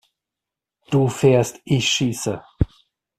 Du fährst, ich schieße!